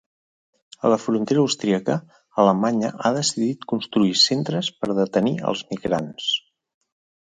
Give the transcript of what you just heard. A la frontera austríaca, Alemanya ha decidit construir centres per detenir els migrants.